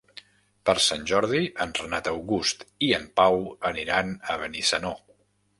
Per Sant Jordi en Renat August i en Pau aniran a Benissanó.